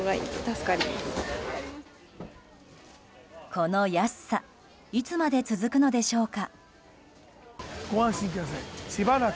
この安さいつまで続くのでしょうか。